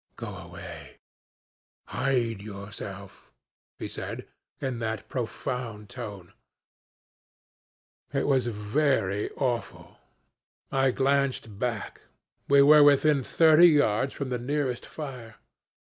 'Go away hide yourself,' he said, in that profound tone. It was very awful. I glanced back. We were within thirty yards from the nearest fire.